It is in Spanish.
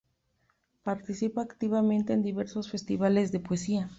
Participa activamente en diversos festivales de poesía.